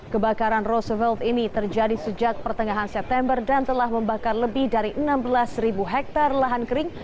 kebakaran rose filt ini terjadi sejak pertengahan september dan telah membakar lebih dari enam belas hektare lahan kering